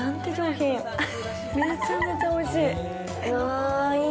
めちゃめちゃおいしい。